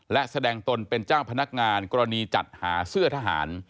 และแสดงตนเป็นเจ้าพนักงานกรณีจัดหาเสื้อทหาร